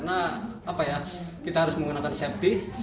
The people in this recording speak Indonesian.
iya karena kita harus menggunakan safety